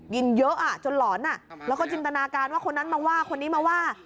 กินเยอะจนหลอนแล้วก็จินตนาการว่าคนนั้นมาว่าคนนี้มาว่า